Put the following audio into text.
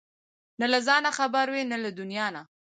نه له ځانه خبر وي نه له دنيا نه!